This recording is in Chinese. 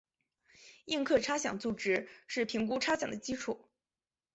应课差饷租值是评估差饷的基础。